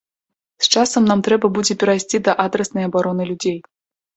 З часам нам трэба будзе перайсці да адраснай абароны людзей.